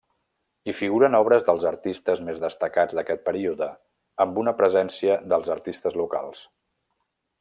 Hi figuren obres dels artistes més destacats d'aquest període, amb una presència dels artistes locals.